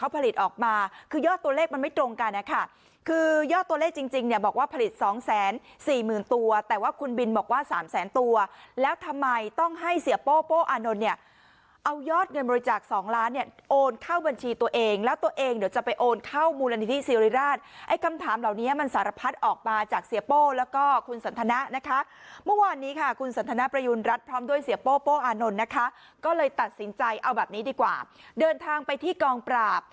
โป้อานนท์เนี่ยเอายอดเงินบริจาคสองล้านเนี่ยโอนเข้าบัญชีตัวเองแล้วตัวเองเดี๋ยวจะไปโอนเข้ามูลณิธิศิริราชไอ้คำถามเหล่านี้มันสารพัดออกมาจากเสียโป้แล้วก็คุณสันธนานะคะเมื่อวานนี้ค่ะคุณสันธนประยูณรัฐพร้อมด้วยเสียโป้โป้อานนท์นะคะก็เลยตัดสินใจเอาแบบนี้ดีกว่าเดินทางไปที่กองป